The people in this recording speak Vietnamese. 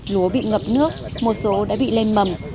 lúa bị ngập nước một số đã bị lên mầm